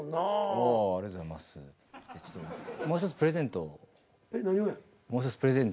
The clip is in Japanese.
もう１つプレゼント。